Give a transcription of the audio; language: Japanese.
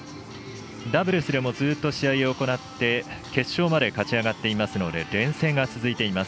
ダブルスでもずっと試合を行って決勝まで勝ち上がっていますので連戦が続いています。